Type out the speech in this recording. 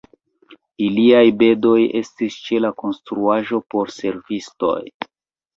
Iliaj bedoj estis ĉe la konstruaĵo por servistoj.